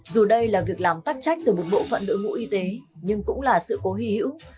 dù đây là việc làm tắc trách từ một bộ phận đội ngũ y tế nhưng cũng là sự cố hy hữu